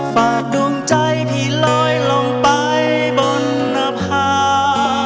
ภาพดวงใจพี่ร้อยลองไปบนนภา